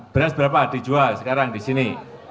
beras berapa dijual sekarang di sini